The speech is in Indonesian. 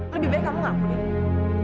lebih baik kamu ngaku deh